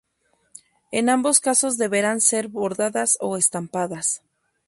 En ambos casos deberán ser bordadas o estampadas.